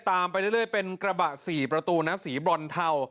ตามไปเรื่อยเรื่อยเป็นกระบะสี่ประตูนะฮะสีบรอนเทา